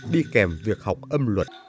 đi kèm việc học âm luật